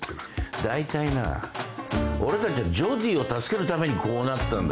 だいたいな俺たちはジョディを助けるためにこうなったんだぞ。